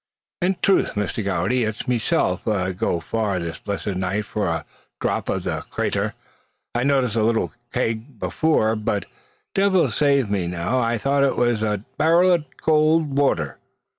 "In trath, Misther Gowdey, an' it's meself 'ud go far this blissed night for a dhrap o' the crayter. I noticed the little kig afore; but divil resave me av I thought it was anythin' barrin' cowld water.